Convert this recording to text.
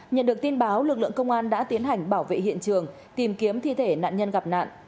nhận được tin báo lực lượng công an đã tiến hành bảo vệ hiện trường tìm kiếm thi thể nạn nhân gặp nạn